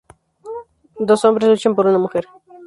Dos hombres luchan por una mujer.